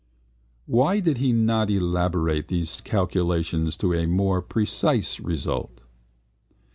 Why did he not elaborate these calculations to a more precise result?